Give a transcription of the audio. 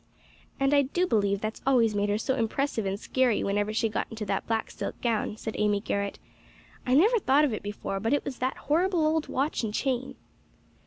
"And I do believe that's always made her so impressive and scarey whenever she got into that black silk gown," said Amy Garrett. "I never thought of it before; but it was that horrible old watch and chain."